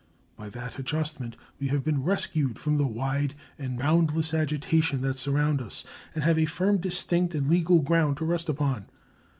By that adjustment we have been rescued from the wide and boundless agitation that surrounded us, and have a firm, distinct, and legal ground to rest upon.